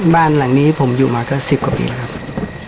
บ้านหลังนี้ผมอยู่มาก็๑๐กว่าปีแล้วครับ